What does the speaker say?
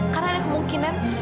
karena ada kemungkinan